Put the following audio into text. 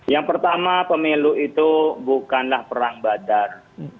yang pertama pemilu itu bukanlah perang badar